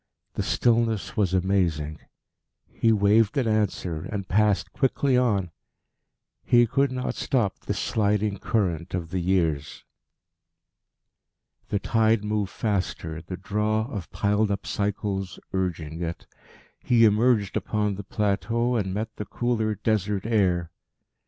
The stillness was amazing. He waved an answer, and passed quickly on. He could not stop this sliding current of the years. The tide moved faster, the draw of piled up cycles urging it. He emerged upon the plateau, and met the cooler Desert air.